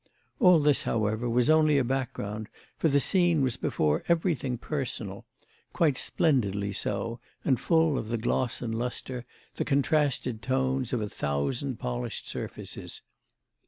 All this, however, was only a background, for the scene was before everything personal; quite splendidly so, and full of the gloss and lustre, the contrasted tones, of a thousand polished surfaces.